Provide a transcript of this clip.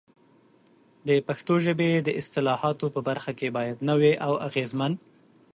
د پښتو ژبې د اصطلاحاتو په برخه کې باید نوي او اغېزمن